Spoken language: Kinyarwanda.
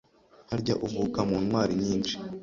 Harya uvuka mu ntwari nyinshi